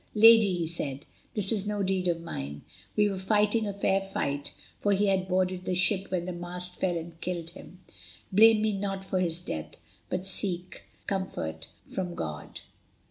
"Lady," he said, "this is no deed of mine. We were fighting a fair fight, for he had boarded the ship when the mast fell and killed him. Blame me not for his death, but seek comfort from God."